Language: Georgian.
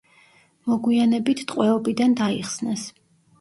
მოგვიანებით ტყვეობიდან დაიხსნეს.